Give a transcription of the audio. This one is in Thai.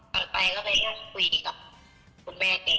กันไปก็ไม่ได้คุยกับคุณแม่กัน